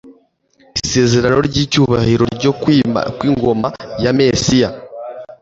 isezerano ry'icyubahiro ryo kwima kw'ingoma ya Mesiya